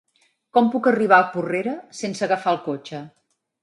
Com puc arribar a Porrera sense agafar el cotxe?